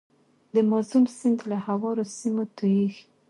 د مازون سیند له هوارو سیمو تویږي.